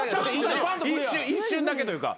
一瞬だけというか。